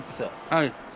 はい。